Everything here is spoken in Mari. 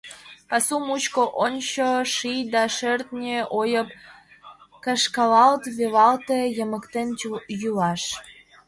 Пасу мучко, ончо, ший да шӧртньӧ ойып Кышкалалт велалте йымыктен йӱлаш.